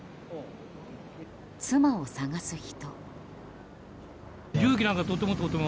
妻を捜す人。